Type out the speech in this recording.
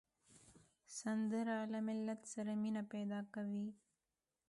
سندره له ملت سره مینه پیدا کوي